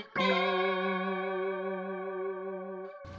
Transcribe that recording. yang memberi pinjaman modal